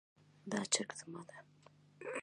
دا چرګ زما ده